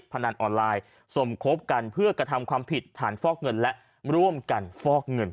พนันออนไลน์สมคบกันเพื่อกระทำความผิดฐานฟอกเงินและร่วมกันฟอกเงิน